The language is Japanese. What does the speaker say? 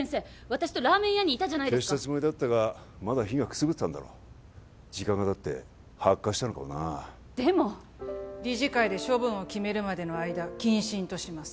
私とラーメン屋にいたじゃないですか消したつもりだったがまだ火がくすぶってたんだろ時間がたって発火したのかもなでも理事会で処分を決めるまでの間謹慎とします